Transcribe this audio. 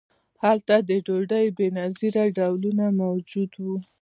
هلته د ډوډۍ بې نظیره ډولونه موجود وو.